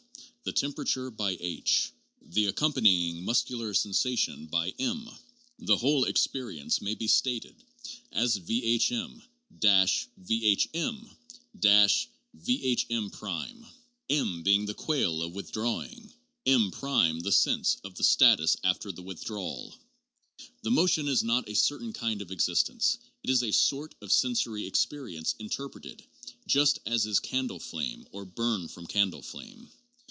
365 the temperature by h, the accompanying muscular sensation by m, the whole experience maybe stated as vhm vhm vAm' ; m being the quale of withdrawing, ml the sense of the status after the withdrawal. The motion is not a certain kind of existence ; it is a sort of sensory experience interpreted, just as is candle flame, or burn from candle flame.